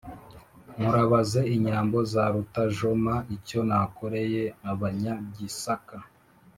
Murabaze inyambo za Rutajoma icyo nakoreye Abanyagisaka